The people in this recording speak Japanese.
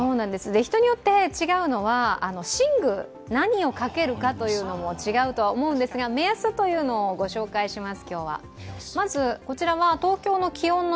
人によって違うのは寝具、何をかけるのも違うと思うのですが、今日は目安をご紹介します。